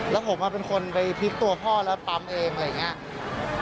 แล้วผมเป็นคนไปพลิกตัวพ่อแล้วปั๊มเองอะไรอย่างนี้